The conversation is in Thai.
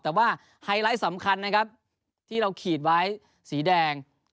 แต่ว่าไฮไลท์สำคัญนะครับที่เราขีดไว้สีแดง